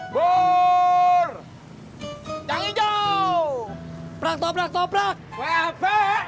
burr yang hijau prang toprak toprak wp